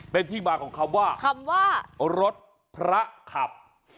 เป็นที่มาของคำว่าคำว่ารถพระขับ